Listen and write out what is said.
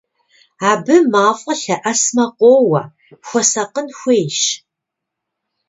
Абы мафӀэ лъэӀэсмэ къоуэ, хуэсакъын хуейщ!